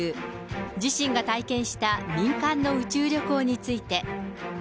自身が体験した民間の宇宙旅行について。